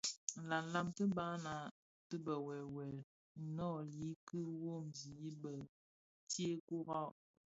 Nlanlan tibaňa ti bë wewel inoli ki womzi më ntsee kurak.